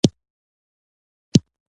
هغه وویل چې یو څه زما په ذهن کې دي.